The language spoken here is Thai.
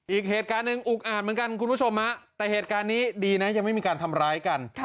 อีกเหตุการณ์หนึ่งอุกอาจเหมือนกันคุณผู้ชมฮะแต่เหตุการณ์นี้ดีนะยังไม่มีการทำร้ายกัน